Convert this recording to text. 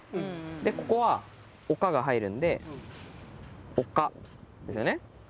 でここは「丘」が入るんで「丘」ですよね。